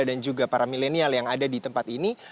dan juga para milenial yang ada di tempat ini